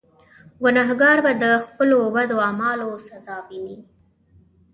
ګناهکار به د خپلو بدو اعمالو سزا ویني.